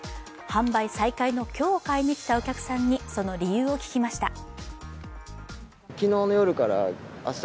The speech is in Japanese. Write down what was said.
販売再開の今日買いに来たお客さんに、その理由を聞きました